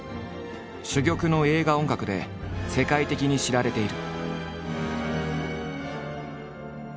珠玉の映画音楽で世界的に知られている。